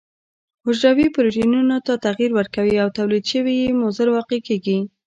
حجروي پروتینونو ته تغیر ورکوي او تولید شوي یې مضر واقع کیږي.